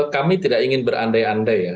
kami tidak ingin berandai andai ya